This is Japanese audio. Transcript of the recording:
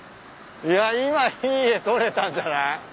いや今いい絵撮れたんじゃない？